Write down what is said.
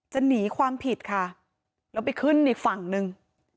จะหนีความผิดค่ะแล้วไปขึ้นอีกฝั่งหนึ่ง